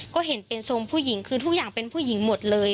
ก็เห็นเป็นทรงผู้หญิงคือทุกอย่างเป็นผู้หญิงหมดเลย